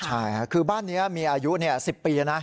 ใช่ค่ะคือบ้านนี้มีอายุ๑๐ปีแล้วนะ